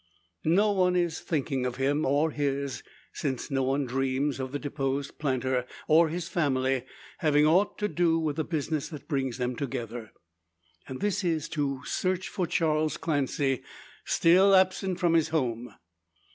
No one is thinking of him, or his; since no one dreams of the deposed planter, or his family, having ought to do with the business that brings them together. This is to search for Charles Clancy, still absent from his home.